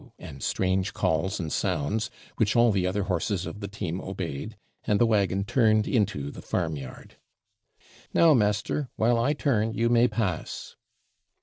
and strange calls and sounds, which all the other horses of the team obeyed; and the waggon turned into the farmyard. 'Now, master! while I turn, you may pass.'